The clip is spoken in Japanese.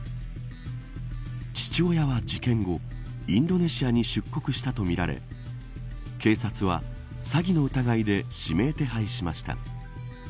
父親は、事件後インドネシアに出国したとみられ警察は、詐欺の疑いで指名手配しました。